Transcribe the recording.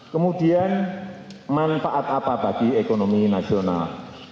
kemudian manfaat apa bagi ekonomi nasional